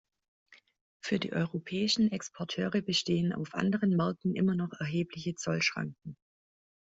Für die europäischen Exporteure bestehen auf anderen Märkten immer noch erhebliche Zollschranken.